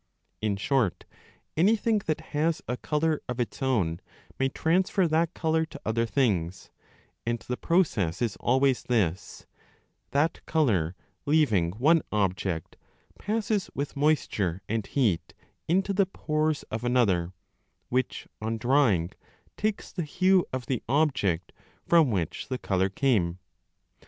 In short, anything that has a colour of its own may transfer that colour to other things, and 25 the process is always this, that colour leaving one object passes with moisture and heat into the pores of another, which on drying takes the hue of the object from which the colour came.